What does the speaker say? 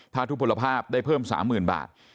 ถ้าทุกผลภาพได้เพิ่ม๓๐๐๐บาท